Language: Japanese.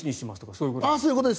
そういうことです。